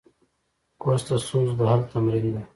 کورس د ستونزو د حل تمرین دی.